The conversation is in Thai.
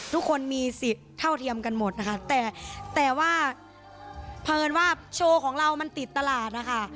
ทุกคนมีสิทธิ์เท่าเทียมกันหมดนะคะแต่แต่ว่าเพลินว่าโชว์ของเรามันติดตลาดนะคะ